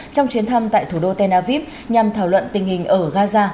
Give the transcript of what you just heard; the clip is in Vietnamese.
trong chuyến thăm tại thủ đô tel aviv nhằm thảo luận tình hình ở gaza